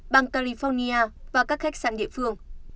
băng california và các khách sạn địa phương